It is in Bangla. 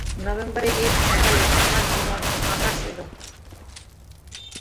নভেম্বরের এক সকালে, আমার জীবনে মার্কাস এলো।